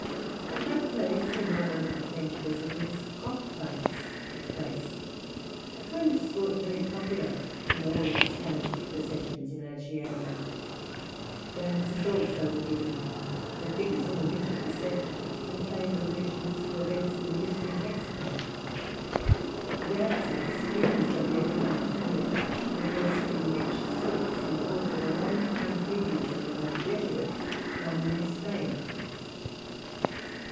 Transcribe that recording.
At that place, in honour of the French visitors, cock fights took place, a kind of sport very popular in all the Spanish possessions in Oceania; dances also were given, the figures in which, it was said, contained allusions to events in the history of Mexico. The dancers, students of the Agagna college, were dressed in rich silks, imported a long time previously by the Jesuits from New Spain.